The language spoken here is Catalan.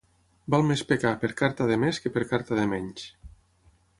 Val més pecar per carta de més que per carta de menys.